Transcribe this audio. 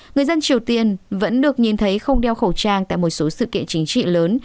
người dân triều tiên vẫn được nhìn thấy không đeo khẩu trang tại một số sự kiện chính trị lớn